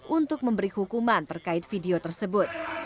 untuk memberi hukuman terkait video tersebut